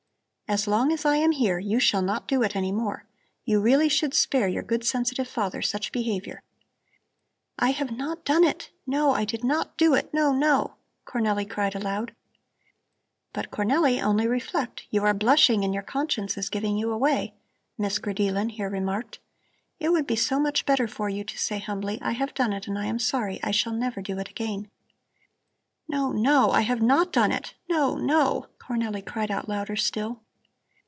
As long as I am here, you shall not do it any more. You really should spare your good, sensitive father such behavior." "I have not done it. No, I did not do it, no, no!" Cornelli cried aloud. "But Cornelli, only reflect! You are blushing and your conscience is giving you away," Miss Grideelen here remarked. "It would be so much better for you to say humbly: 'I have done it and I am sorry; I shall never do it again!'" "No, no! I have not done it. No, no!" Cornelli cried out louder still.